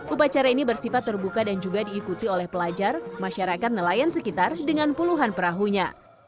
upacara ini bersifat terbuka dan juga diikuti oleh pelajar masyarakat nelayan sekitar dengan puluhan perahunya